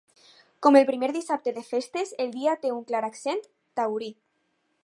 Com el primer dissabte de festes, el dia té un clar accent taurí.